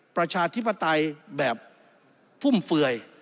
ประชาธิปไตยแบบฟุ่มเฟื่อย